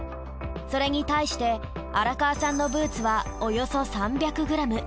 それに対して荒川さんのブーツはおよそ３００ｇ。